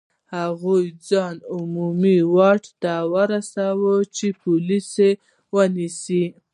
هغوی ځان عمومي واټ ته ورسول چې پولیس یې ونیسي.